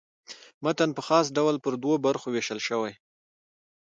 متن په خاص ډول پر دوو برخو وېشل سوی.